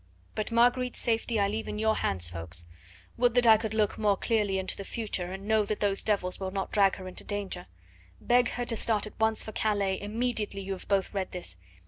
But Marguerite's safety I leave in your hands, Ffoulkes. Would that I could look more clearly into the future, and know that those devils will not drag her into danger. Beg her to start at once for Calais immediately you have both read this.